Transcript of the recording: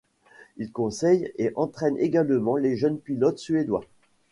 Il conseille et entraîne également les jeunes pilotes suédois.